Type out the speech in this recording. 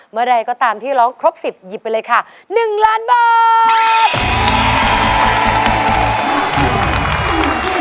เมื่อใดก็ตามที่ร้องครบสิบหยิบไปเลยค่ะหนึ่งล้านบาท